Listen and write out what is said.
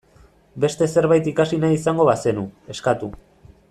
Beste zerbait ikasi nahi izango bazenu, eskatu.